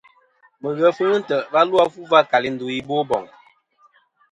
Mɨghef ghɨ ntè' va lu a fu va kali ndu a i Boboŋ.